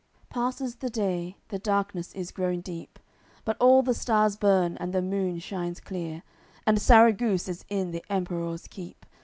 CCLXVI Passes the day, the darkness is grown deep, But all the stars burn, and the moon shines clear. And Sarraguce is in the Emperour's keep.